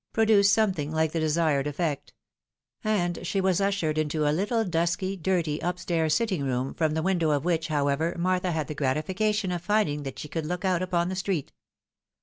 pro duced something like the desired effect ; and she was ushered into a little dusky, dirty, up stairs sitting room, from the window of which, however, Martha had the gratification of finding that she could look out upon the street.